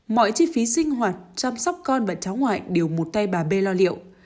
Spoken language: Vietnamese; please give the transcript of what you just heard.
mọi chi phí sinh hoạt chăm sóc con và cháu ngoại đều một tay bà bê lo liệu